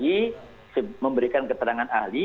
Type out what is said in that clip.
untuk memberikan keterangan ahli